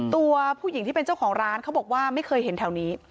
ตัวผู้หญิงที่เป็นเจ้าของร้านเขาบอกว่าไม่เคยเห็นแถวนี้